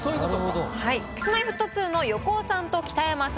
Ｋｉｓ−Ｍｙ−Ｆｔ２の横尾さんと北山さん